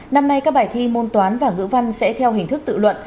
năm nay các bài thi môn toán và ngữ văn sẽ theo hình thức tự luận